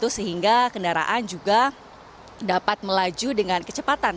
sehingga kendaraan juga dapat melaju dengan kecepatan